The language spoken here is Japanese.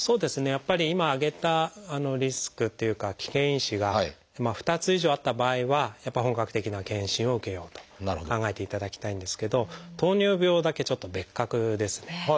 やっぱり今挙げたリスクというか危険因子が２つ以上あった場合は本格的な検診を受けようと考えていただきたいんですけど糖尿病だけちょっと別格ですね。